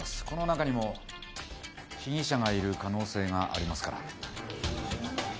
この中にも被疑者がいる可能性がありますから。